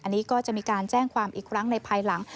อันนี้ก็จะมีการแจ้งความอีกครั้งในภายหลัง